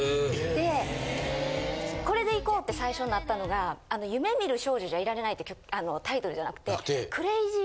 で「これでいこう」って最初なったのが『夢見る少女じゃいられない』ってタイトルじゃなくて。